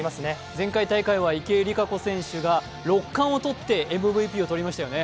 前回大会は池江璃花子選手が６冠をとってＭＶＰをとりましたよね。